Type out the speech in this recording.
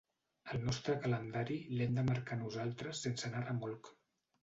El nostre calendari l’hem de marcar nosaltres sense anar a remolc.